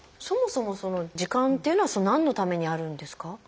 そもそもその耳管っていうのは何のためにあるんですか？